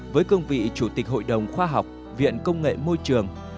với cương vị chủ tịch hội đồng khoa học viện công nghệ môi trường